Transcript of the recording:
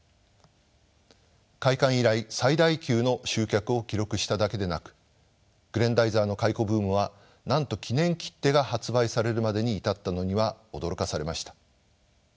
開館以来最大級の集客を記録しただけでなく「グレンダイザー」の回顧ブームはなんと記念切手が発売されるまでに至ったのには驚かされました。